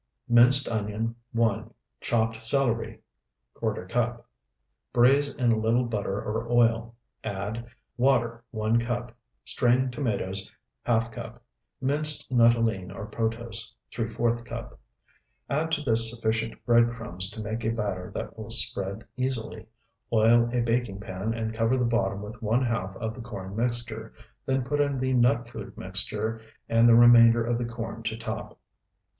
Minced onion, 1. Chopped celery, ¼ cup. Braize in a little butter or oil. Add Water, 1 cup. Strained tomatoes, ½ cup. Minced nuttolene or protose, ¾ cup. Add to this sufficient bread crumbs to make a batter that will spread easily. Oil a baking pan, and cover the bottom with one half of the corn mixture, then put in the nut food mixture and the remainder of the corn to top.